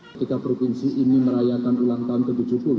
ketika provinsi ini merayakan ulang tahun ke tujuh puluh